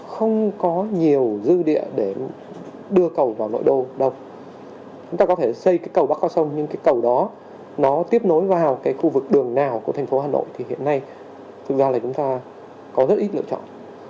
không có nhiều dư địa để đưa cầu vào nội đô đâu chúng ta có thể xây cái cầu bắc qua sông nhưng cái cầu đó nó tiếp nối vào cái khu vực đường nào của thành phố hà nội thì hiện nay thực ra là chúng ta có rất ít lựa chọn